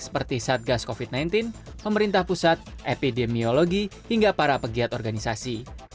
seperti satgas covid sembilan belas pemerintah pusat epidemiologi hingga para pegiat organisasi